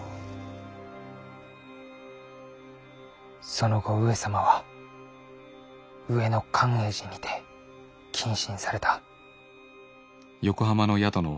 その後上様は上野寛永寺にて謹慎された。